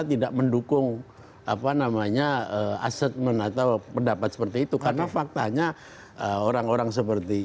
tidak mendukung apa namanya asesmen atau pendapat seperti itu karena faktanya orang orang seperti